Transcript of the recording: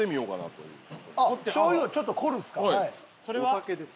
お酒です。